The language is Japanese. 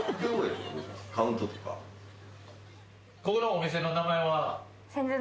ここのお店の名前は？